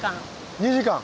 ２時間？